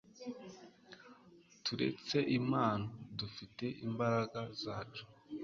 turetse impano, dufite imbaraga zacu